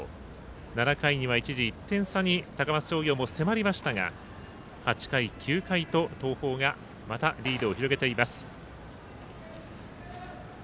７回には一時１点差に高松商業も迫りましたが８回、９回と東邦がまたリードを広げています。